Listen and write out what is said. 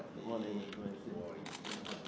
ขอบคุณครับ